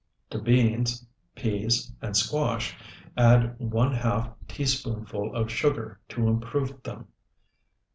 To beans, peas, and squash, add one half teaspoonful of sugar to improve them.